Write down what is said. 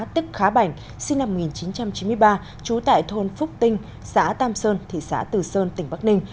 tức khá bảnh sinh năm một nghìn chín trăm chín mươi ba trú tại thôn phúc tinh xã tam sơn thị xã từ sơn tỉnh bắc ninh